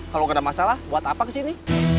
kalau nggak ada masalah buat apa kesini